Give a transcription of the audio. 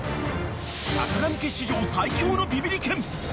坂上家史上最強のビビリ犬。